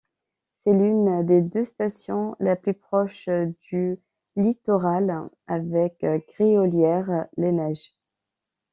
C'est l'une des deux stations la plus proche du littoral avec Gréolières-les-Neiges.